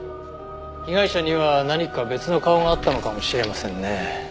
被害者には何か別の顔があったのかもしれませんね。